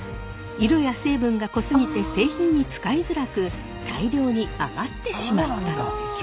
色や成分が濃すぎて製品に使いづらく大量に余ってしまったのです。